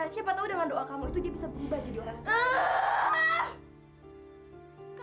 siapa tahu dengan doa kamu itu dia bisa berubah jadi orang tua